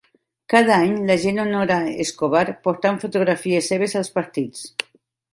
Cada any la gent honora Escobar portant fotografies seves als partits.